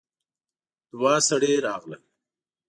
دوه سړي راغلل.